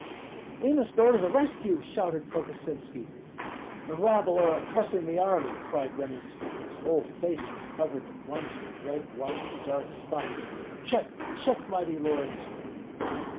"We must go to the rescue!" shouted Kokosinski. "The rabble are oppressing the army!" cried Ranitski, whose whole face was covered at once with red, white, and dark spots. "Check, check! mighty lords!"